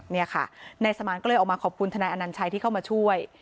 แน่ธุ์สมานก็เลยออกมาขอบคุณฐนายอนันทรัยที่เข้ามาช่วย